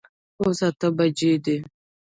اوس اته بجي دي